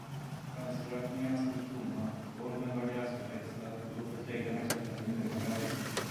Fönsteröppningarna stod tomma, golven var gräsbeväxta, och uppåt väggarna klättrade murgröna.